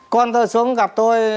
con tôi xuống gặp tôi